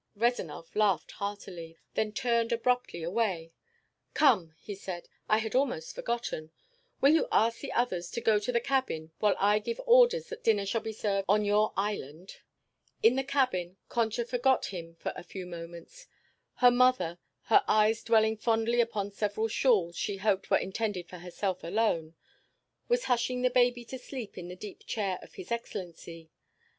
Rezanov laughed heartily, then turned abruptly away. "Come," he said. "I had almost forgotten. Will you ask the others to go to the cabin, while I give orders that dinner shall be served on your island?" In the cabin, Concha forgot him for a few moments. Her mother, her eyes dwelling fondly upon several shawls she hoped were intended for herself alone, was hushing the baby to sleep in the deep chair of his excellency.